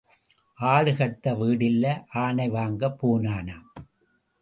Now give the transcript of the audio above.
ஆடு கட்ட வீடு இல்லை ஆனை வாங்கப் போனானாம்.